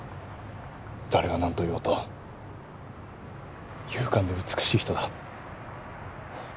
誰がなんと言おうと勇敢で美しい人だ。